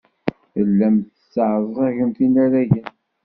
Tellamt tesseɛẓagemt inaragen.